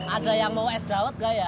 ada yang mau es dawet gak ya